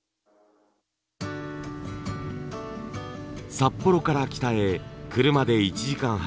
札幌から北へ車で１時間半。